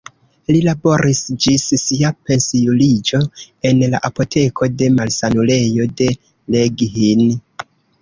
Li laboris ĝis sia pensiuliĝo en la apoteko de malsanulejo de Reghin.